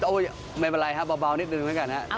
โอ๊ยไม่เป็นไรฮะเบานิดนึงนั่นกันฮะ